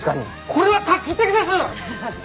これは画期的です！ハハハ。